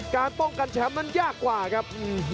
การป้องกันแชมป์นั้นยากกว่าครับ